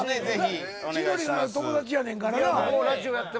千鳥の友達やねんからな。